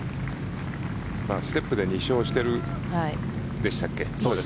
ステップで２勝しているんでしたっけ。